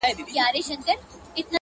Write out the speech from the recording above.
حالاتو دغه حد ته راوسته ه ياره!!